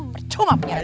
percuma punya rete